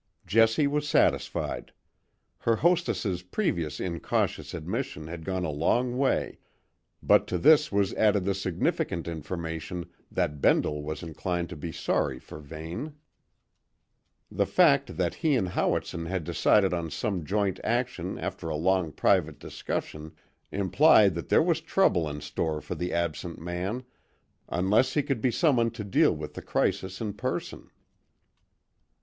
Jessie was satisfied. Her hostess's previous incautious admission had gone a long way, but to this was added the significant information that Bendle was inclined to be sorry for Vane. The fact that he and Howitson had decided on some joint action after a long private discussion implied that there was trouble in store for the absent man, unless he could be summoned to deal with the crisis in person.